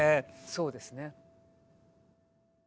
そうですね。